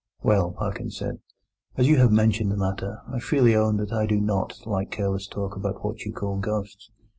"Well," Parkins said, "as you have mentioned the matter, I freely own that I do not like careless talk about what you call ghosts.